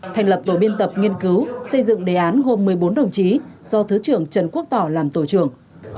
thành lập tổ biên tập nghiên cứu xây dựng đề án gồm một mươi bốn đồng chí do thứ trưởng trần quốc tỏ làm tổ trưởng